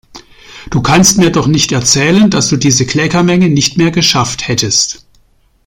Du kannst mir doch nicht erzählen, dass du diese Kleckermenge nicht mehr geschafft hättest!